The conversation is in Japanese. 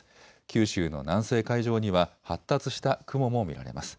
九州の南西海上には発達した雲も見られます。